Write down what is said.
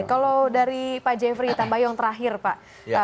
kalau dari pak jeffrey tambah yang terakhir pak